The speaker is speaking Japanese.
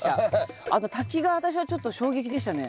あと滝が私はちょっと衝撃でしたね。